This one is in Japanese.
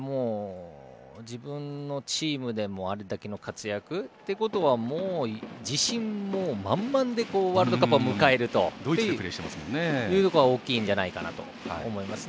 自分のチームでもあれだけの活躍ということはもう自信も満々でワールドカップを迎えるということが大きいんじゃないかなと思います。